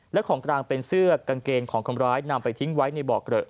และของกลางเป็นเสื้อกางเกงของคนร้ายนำไปทิ้งไว้ในบ่อเกลอะ